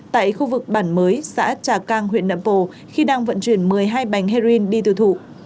tại khu vực bản mới xã trà cang huyện nậm pồ khi đang vận chuyển một mươi hai bánh heroin đi tiêu thụ